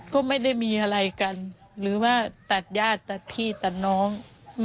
ก็ไม่ได้มีอะไรกันหรือว่าตัดญาติตัดพี่ตัดน้อง